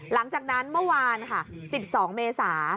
หลังจากนั้นเมื่อวานค่ะ๑๒เมษา